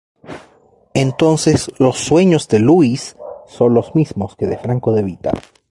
Entonces los sueños de Louis son los mismos que de Franco De Vita.